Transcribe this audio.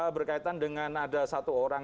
berkaitan dengan ada satu orang